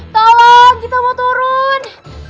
tolong kita mau turun